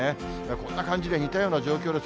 こんな感じで似たような状況です。